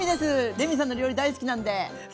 レミさんの料理大好きなんで。